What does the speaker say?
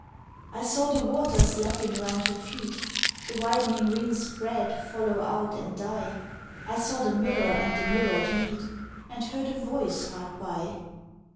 I saw the waters lapping round her feet, The widening rings spread, follow out and die, I saw the mirror and the mirrored meet, And heard a voice hard by.